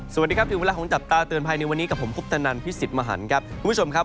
สวัสดีครับที่เวลาของจับตาเตือนภายในวันนี้กับผมผู้พิวตนันภิษฐิมาหรร์ครับคุณผู้ชมครับ